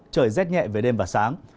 trời rét nhẹ về đêm và sáng